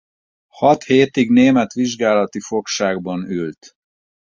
Hat hétig német vizsgálati fogságban ült.